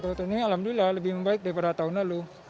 kalau tahun ini alhamdulillah lebih baik daripada tahun lalu